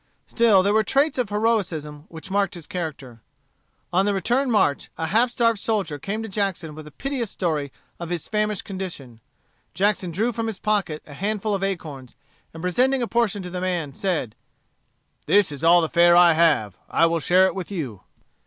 Still there were traits of heroism which marked his character. On the return march, a half starved soldier came to Jackson with a piteous story of his famished condition. Jackson drew from his pocket a handful of acorns, and presenting a portion to the man, said: "This is all the fare I have. I will share it with you."